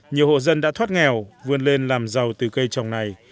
nhiều hộ dân đã thoát nghèo vươn lên làm giàu từ cây trồng này